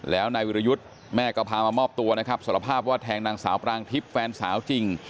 แล้วนายวิรยุทธ์แม่ก็พามามอบตัวนะครับสารภาพว่าแทงนางสาวปรางทิพย์แฟนสาวจริง